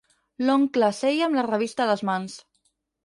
L'oncle seia amb la revista a les mans.